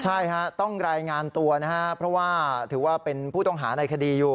ใช่ฮะต้องรายงานตัวนะครับเพราะว่าถือว่าเป็นผู้ต้องหาในคดีอยู่